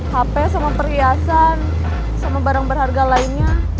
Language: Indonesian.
hp sama perhiasan sama barang berharga lainnya